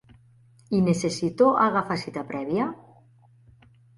I necessito agafar cita prèvia?